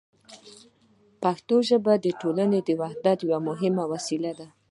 پښتو ژبه د ټولنې د وحدت یوه مهمه وسیله ده.